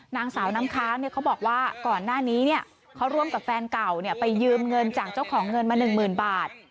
นางสาวน้ำค้างเขาบอกว่าก่อนหน้านี้เขาร่วมกับแฟนเก่าไปยืมเงินจากเจ้าของเงินมา๑๐๐๐บาท